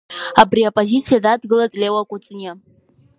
Абри апозициа дадгылеит Леуа Кәыҵниа.